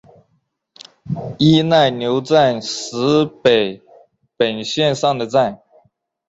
伊奈牛站石北本线上的站。